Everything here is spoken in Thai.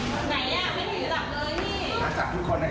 มีเขียงให้เขียกต่อมั้ย